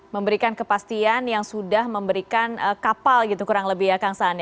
memberikan kepastian yang sudah memberikan kapal gitu kurang lebih ya kang saan